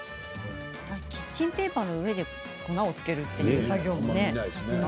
キッチンペーパーの上で粉を付ける作業